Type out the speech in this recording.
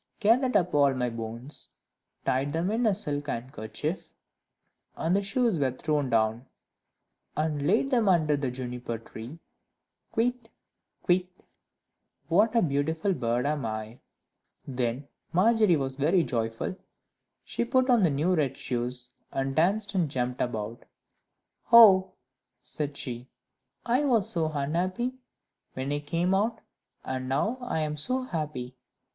"Gathered up all my bones, Tied them in a silk handkerchief," And the shoes were thrown down. "And laid them under the Juniper tree: Kywitt! Kywitt! what a beautiful bird am I!" Then Margery was very joyful; she put on the new red shoes, and danced and jumped about. "Oh," said she, "I was so unhappy when I came out, and now I am so happy!